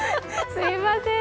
すいません。